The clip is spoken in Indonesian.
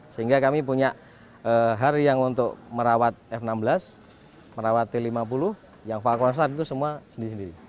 sehingga kami punya hari yang untuk merawat f enam belas merawat t lima puluh yang falconsar itu semua sendiri sendiri